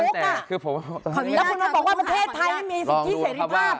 แล้วคุณมันบอกว่าประเภทไทยมีสิทธิเสร็จริงบ้าง